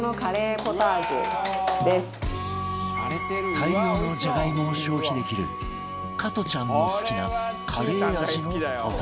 大量のジャガイモを消費できる加トちゃんの好きなカレー味のポタージュ